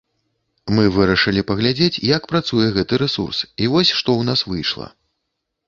Мы вырашылі паглядзець, як працуе гэты рэсурс, і вось што ў нас выйшла.